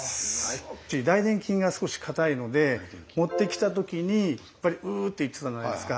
大臀筋が少し硬いので持ってきた時にやっぱり「う」って言ってたじゃないですか。